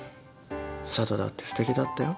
佐都だってすてきだったよ。